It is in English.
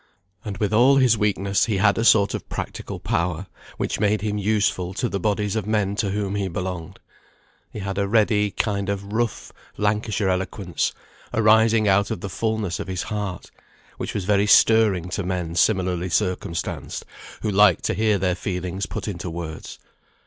And with all his weakness he had a sort of practical power, which made him useful to the bodies of men to whom he belonged. He had a ready kind of rough Lancashire eloquence, arising out of the fulness of his heart, which was very stirring to men similarly circumstanced, who liked to hear their feelings put into words.